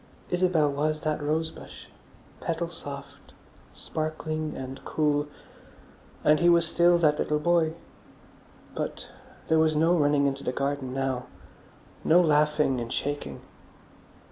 Isabel was that rose bush, petal soft, sparkling and cool. And he was still that little boy. But there was no running into the garden now, no laughing and shaking.